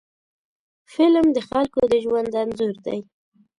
فلم د خلکو د ژوند انځور دی